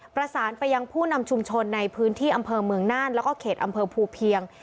ประสานไปยังผู้นำชุมชนในพื้นที่อำเภอเมืองน่านแล้วก็เขตอำเภอภูเพียง